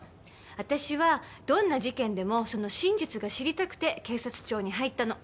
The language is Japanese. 私はどんな事件でもその真実が知りたくて警察庁に入ったの。